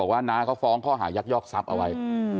บอกว่าน้าเขาฟ้องเขาหายักยอกทรัพย์เอาไว้